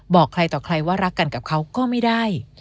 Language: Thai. บอกใครต่อใครว่ารักกันกับเขาก็ไม่ได้